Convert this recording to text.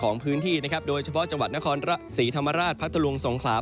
ของพื้นที่นะครับโดยเฉพาะจังหวัดนครศรีธรรมราชพัทธลุงสงขลา